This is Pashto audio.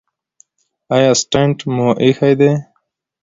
ایا سټنټ مو ایښی دی؟